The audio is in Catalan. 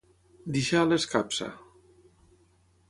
Deixar a l'escapça.